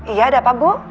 iya ada apa bu